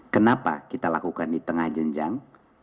kenapa kita lakukan di tengah jenjang